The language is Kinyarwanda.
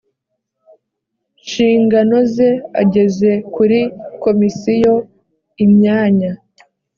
nshingano ze ageza kuri komisiyo imyanya